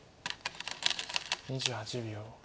２８秒。